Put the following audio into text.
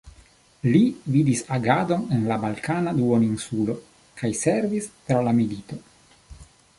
Li vidis agadon en la Balkana duoninsulo, kaj servis tra la milito.